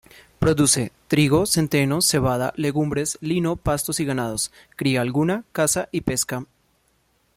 Produce: trigo, centeno, cebada, legumbres, lino, pastos y ganados; cría alguna, caza y pesca.